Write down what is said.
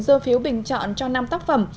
dơ phiếu bình chọn cho năm tác phẩm